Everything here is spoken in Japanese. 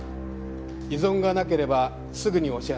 異存がなければすぐにお支払い致します。